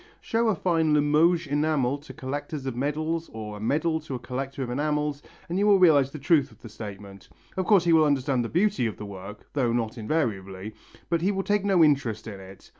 Show a fine Limoges enamel to a collector of medals or a medal to a collector of enamels and you will realize the truth of the statement. Of course he will understand the beauty of the work though not invariably but he will take no interest in it.